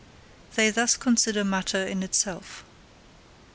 They thus consider matter in itself.